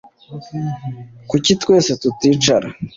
Kuki twese tuticara